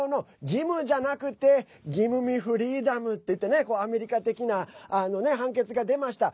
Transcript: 義務じゃなくてギムミーフリーダムっていってアメリカ的な判決が出ました。